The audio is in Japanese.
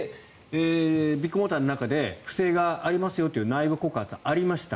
ビッグモーターの中で不正がありますよという内部告発がありました。